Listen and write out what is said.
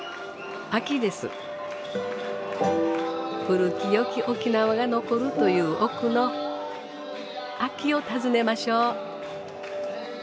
古きよき沖縄が残るという奥の秋を訪ねましょう。